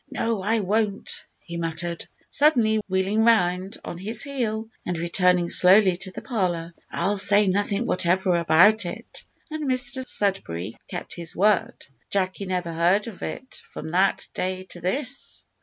"No, I won't," he muttered, suddenly wheeling round on his heel and returning slowly to the parlour. "I'll say nothing whatever about it." And Mr Sudberry kept his word Jacky never heard of it from that day to this!